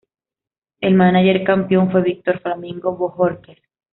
El mánager campeón fue Víctor "Flamingo" Bojórquez.